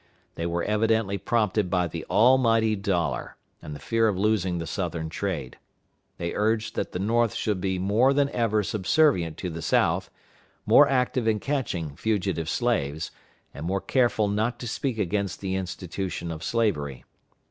They were evidently prompted by the almighty dollar, and the fear of losing the Southern trade. They urged that the North should be more than ever subservient to the South, more active in catching fugitive slaves, and more careful not to speak against the institution of slavery.